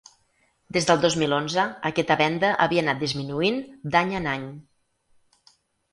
Des del dos mil onze, aquesta venda havia anat disminuint d’any en any.